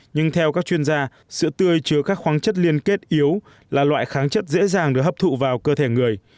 nhưng theo các chuyên gia sữa tươi chứa các khoáng chất liên kết yếu là loại kháng chất dễ dàng được hấp thụ vào cơ thể người